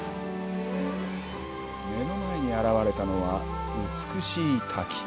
目の前に現れたのは美しい滝。